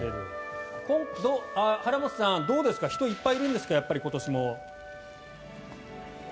原元さん、どうですか人、いっぱいいるんですか今年も。